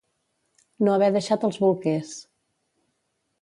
No haver deixat els bolquers.